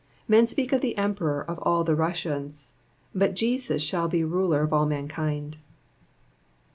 Men speak of the Emperor of all the Russias, but Jesus shall be Ruler of all mankind.